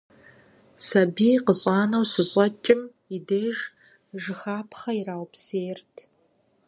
Сабий къыщӀанэу щыщӀэкӀым и деж, жыхапхъэ ираупсейрт.